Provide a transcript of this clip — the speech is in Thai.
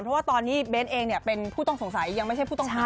เพราะว่าตอนนี้เบ้นเองเป็นผู้ต้องสงสัยยังไม่ใช่ผู้ต้องหา